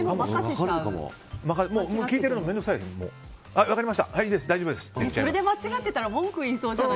聞いてるの面倒くさい。